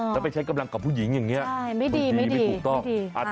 แล้วไปใช้กำลังกับผู้หญิงอย่างเงี้ยใช่ไม่ดีไม่ถูกต้องไม่ดี